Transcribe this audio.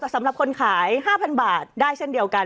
สำหรับคนขาย๕๐๐บาทได้เช่นเดียวกัน